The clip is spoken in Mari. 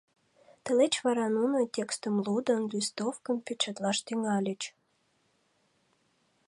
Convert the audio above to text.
Тылеч вара нуно, текстым лудын, листовкым печатлаш тӱҥальыч.